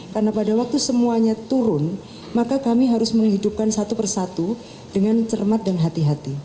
karena pada waktu semuanya turun maka kami harus menghidupkan satu persatu dengan cermat dan hati hati